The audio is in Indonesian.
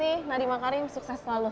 nadiemah karim sukses selalu